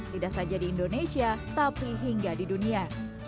tidak saja di indonesia tapi hingga di dunia